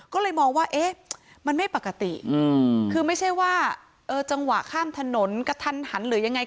ก็เลยมองว่าเอ๊ะมันไม่ปกติคือไม่ใช่ว่าจังหวะข้ามถนนกระทันหันหรือยังไง